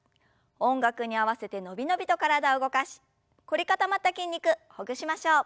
音楽に合わせて伸び伸びと体を動かし凝り固まった筋肉ほぐしましょう。